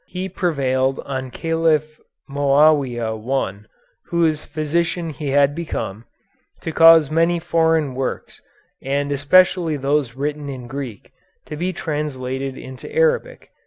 He prevailed on Caliph Moawia I, whose physician he had become, to cause many foreign works, and especially those written in Greek, to be translated into Arabic.